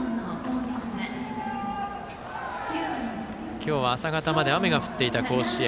今日は朝方まで雨が降っていた甲子園。